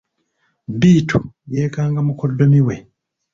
Bittu yeekanga mukoddomi we.